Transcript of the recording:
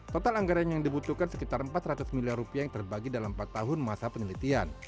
total anggaran yang dibutuhkan sekitar empat ratus miliar rupiah yang terbagi dalam empat tahun masa penelitian